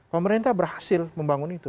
pemerintah berhasil membangun itu